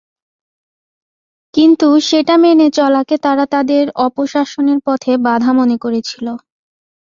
কিন্তু সেটা মেনে চলাকে তারা তাদের অপশাসনের পথে বাধা মনে করেছিল।